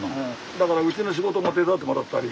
だからうちの仕事も手伝ってもらったり。